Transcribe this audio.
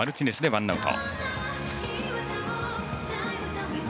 ワンアウト。